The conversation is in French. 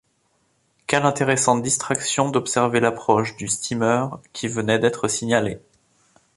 Quelle intéressante distraction d’observer l’approche du steamer qui venait d’être signalé!